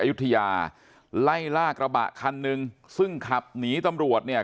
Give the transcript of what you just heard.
ยุธยาไล่ล่ากระบะคันหนึ่งซึ่งขับหนีตำรวจเนี่ย